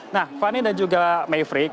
nah fani dan juga mayfrick